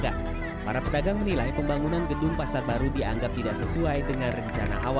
kalau memang sudah kesepakatan ada mereka juga mau